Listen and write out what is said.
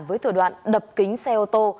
với thủ đoạn đập kính xe ô tô